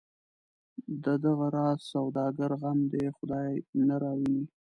د دغه راز سوداګرو غم دی خدای نه راوویني.